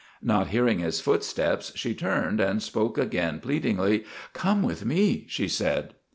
Not hearing his footsteps, she turned and spoke again, pleadingly. "Come with me," she said.